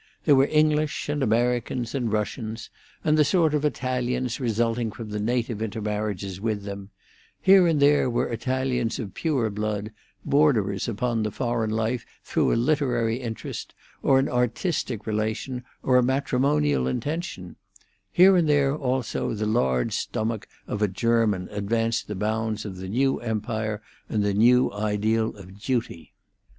There were English and Americans and Russians and the sort of Italians resulting from the native intermarriages with them; here and there were Italians of pure blood, borderers upon the foreign life through a literary interest, or an artistic relation, or a matrimonial intention; here and there, also, the large stomach of a German advanced the bounds of the new empire and the new ideal of duty.